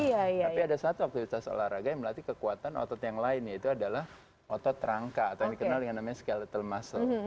tapi ada satu aktivitas olahraga yang melatih kekuatan otot yang lain yaitu adalah otot rangka atau yang dikenal dengan namanya scalettle muscle